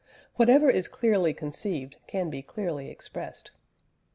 Whatever is clearly conceived can be clearly expressed."